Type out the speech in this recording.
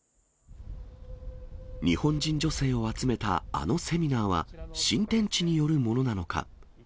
日本人女性を集めたあのセミナーは、新天地によるものなのか。